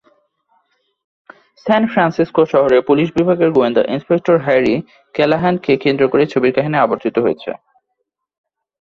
স্যান Francisco শহরের police বিভাগের গোয়েন্দা ইন্সপেক্টর "হ্যারি ক্যালাহান"-কে কেন্দ্র করেই ছবির কাহিনী আবর্তিত হয়েছে।